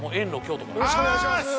京都からよろしくお願いします！